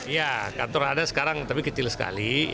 ya kantor ada sekarang tapi kecil sekali